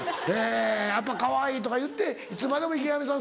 やっぱかわいいとか言っていつまでも池上さん